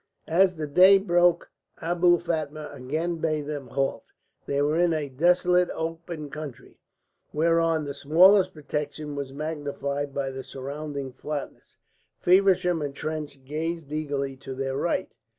As the day broke Abou Fatma again bade them halt. They were in a desolate open country, whereon the smallest protection was magnified by the surrounding flatness. Feversham and Trench gazed eagerly to their right.